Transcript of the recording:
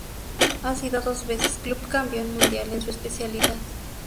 Ha sido dos veces sub campeón mundial en su especialidad.